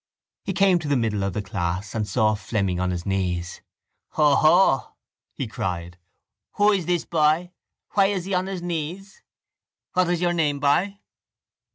He came to the middle of the class and saw Fleming on his knees. —Hoho! he cried. Who is this boy? Why is he on his knees? What is your name, boy?